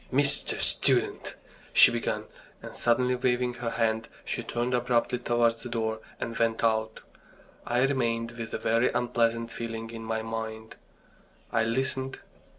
"Mr. Student!" she began, and suddenly, waving her hand, she turned abruptly towards the door and went out. I remained with a very unpleasant feeling in my mind. I listened.